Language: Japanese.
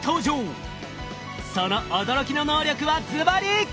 その驚きの能力はずばり！